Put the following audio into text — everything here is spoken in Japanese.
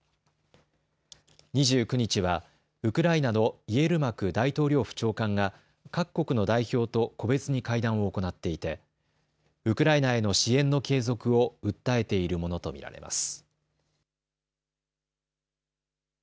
２９日はウクライナのイエルマク大統領府長官が各国の代表と個別に会談を行っていてウクライナへの支援の継続を訴えているものと見られます。